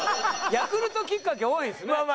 ヤクルトきっかけ多いんですね。